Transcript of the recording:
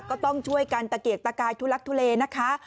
ก็ต้องช่วยกันตะเกียกตะกายทุลักทุเลนะคะ